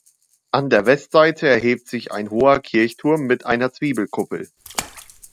An der Westseite erhebt sich ein hoher Kirchturm mit einer Zwiebelkuppel.